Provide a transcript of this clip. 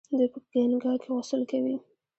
دوی په ګنګا کې غسل کوي.